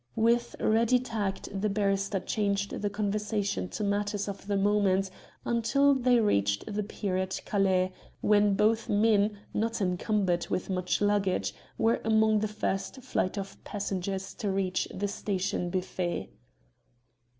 With ready tact the barrister changed the conversation to matters of the moment until they reached the pier at Calais, when both men, not encumbered with much luggage, were among the first flight of passengers to reach the station buffet.